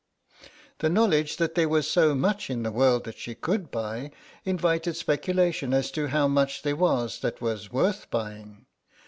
The knowledge that there was so much in the world that she could buy, invited speculation as to how much there was that was worth buying.